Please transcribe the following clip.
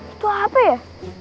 itu apa ya